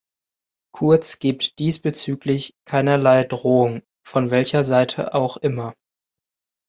Kurz gibt diesbezüglich keinerlei Drohung, von welcher Seite auch immer.